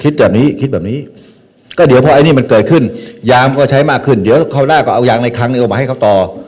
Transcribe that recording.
แบบนี้คิดแบบนี้ก็เดี๋ยวพอไอ้นี่มันเกิดขึ้นยางก็ใช้มากขึ้นเดี๋ยวคราวหน้าก็เอายางในครั้งนี้ออกมาให้เขาต่อ